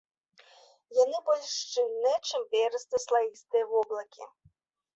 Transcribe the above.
Яны больш шчыльныя, чым перыста-слаістыя воблакі.